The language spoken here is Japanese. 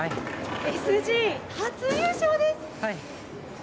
ＳＧ初優勝です！